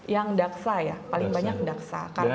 yang daksa ya paling banyak daksa